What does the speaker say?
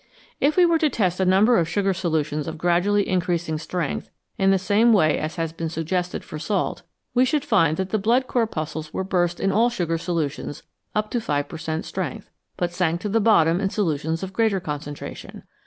If we were to test a number of sugar solutions of gradually increasing strength in the same way as has been suggested for salt, we should find that the blood corpuscles were burst in all sugar solutions up to 5 PLT cent, strength, but sank to the bottom in solutions of greater concentration.